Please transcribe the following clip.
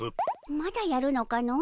まだやるのかの。